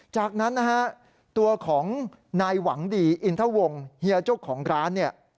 จากนั้นตัวของนายหวังกรีย์อินทวง์เฮียโจ๊กของร้าน